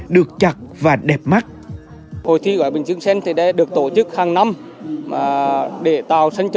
được chặt và đẹp mắt